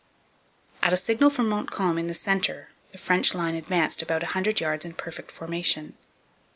At a signal from Montcalm in the centre the French line advanced about a hundred yards in perfect formation.